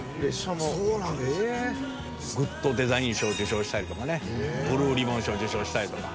グッドデザイン賞受賞したりとかねブルーリボン賞受賞したりとか。